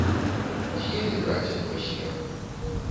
З'елі, браце, твой смех!